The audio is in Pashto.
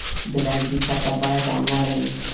د لرګي سطحه باید همواره وي.